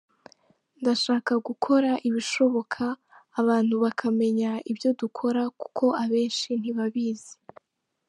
Ndashaka gukora ibishoboka abantu bakamenya ibyo dukora kuko abenshi ntibabizi.